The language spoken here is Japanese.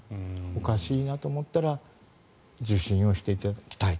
おかしいなと思ったら受診をしていただきたい。